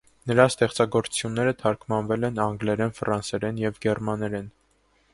Նրա ստեղծագործությունները թարգմանվել են անգլերեն, ֆրանսերեն և գերմաներեն։